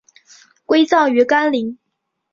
归葬于干陵。